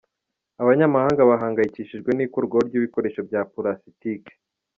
Abanyamahanga bahangayikishijwe n’ikurwaho ry’ibikoresho bya pulasitike